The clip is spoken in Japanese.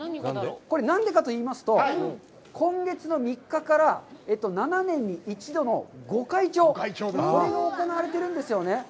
これ、何でかといいますと、今月の３日から、７年に１度の御開帳、これが行われているんですよね。